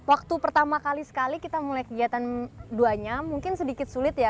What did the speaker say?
waktu pertama kali sekali kita mulai kegiatan duanya mungkin sedikit sulit ya